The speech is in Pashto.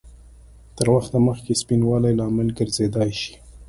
تر وخته مخکې سپینوالي لامل ګرځېدای شي؟